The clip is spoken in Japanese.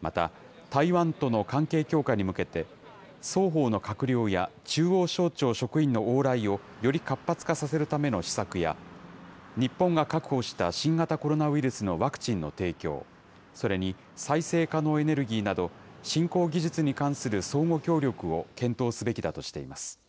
また、台湾との関係強化に向けて、双方の閣僚や中央省庁職員の往来をより活発化させるための施策や、日本が確保した新型コロナウイルスのワクチンの提供、それに再生可能エネルギーなど、新興技術に関する相互協力を検討すべきだとしています。